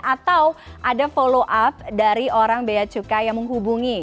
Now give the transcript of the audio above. atau ada follow up dari orang beya cukai yang menghubungi